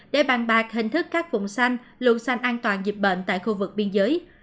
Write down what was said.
để bàn bạc hình thức các vùng xanh lưu xanh an toàn dịch bệnh tại khu vực biên giới